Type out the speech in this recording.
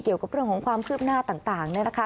เกี่ยวกับเรื่องของความคืบหน้าต่างเนี่ยนะคะ